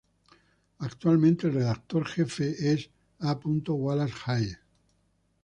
Actualmente, el redactor jefe es A. Wallace Hayes.